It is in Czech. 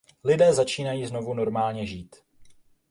Lidé začínají znovu normálně žít.